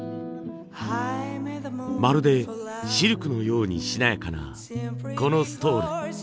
まるでシルクのようにしなやかなこのストール。